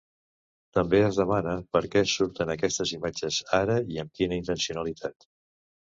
També es demana per què surten aquestes imatges ara i amb quina intencionalitat.